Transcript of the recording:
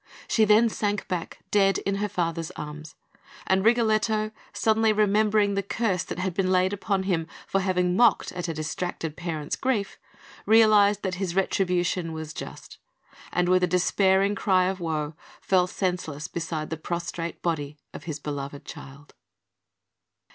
She then sank back, dead, in her father's arms; and Rigoletto, suddenly remembering the curse that had been laid upon him for having mocked at a distracted parent's grief, realised that his retribution was just, and, with a despairing cry of woe, fell senseless beside the prostrate body of his beloved child.